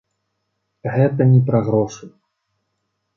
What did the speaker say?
Гэта не пра грошы.